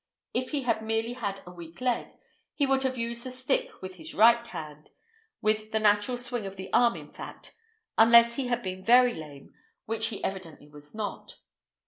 If he had merely had a weak leg, he would have used the stick with his right hand—with the natural swing of the arm, in fact—unless he had been very lame, which he evidently was not.